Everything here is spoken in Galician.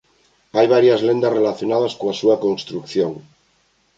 Hai varias lendas relacionadas coa súa construción.